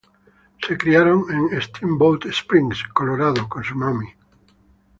Se criaron en Steamboat Springs, Colorado con su madre.